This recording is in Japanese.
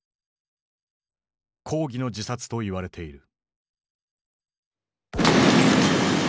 抗議の自殺といわれている。